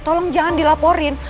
tolong jangan dilaporin